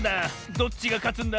どっちがかつんだ？